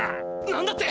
何だって！？